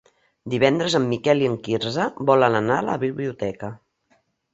Divendres en Miquel i en Quirze volen anar a la biblioteca.